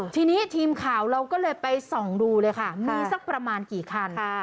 ทีนี้ทีมข่าวเราก็เลยไปส่องดูเลยค่ะมีสักประมาณกี่คัน